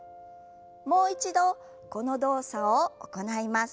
もう一度この動作を行います。